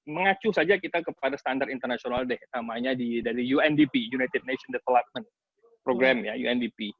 mengacu saja kita kepada standar internasional deh namanya dari undp united nation development program ya undp